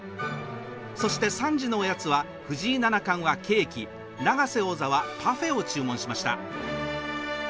そして３時のおやつは藤井七冠はケーキ永瀬王座はパフェを注文しました。